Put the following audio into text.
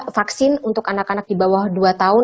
vaksin untuk anak anak di bawah dua tahun